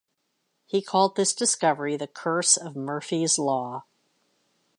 He called this discovery the Curse of Murphy's Law.